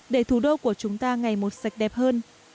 để thủ đô của chúng ta ngày một sạch đẹp hơn